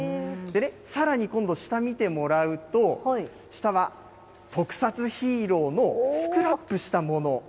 でね、さらに今度、下見てもらうと、下は特撮ヒーローのスクラップしたもの。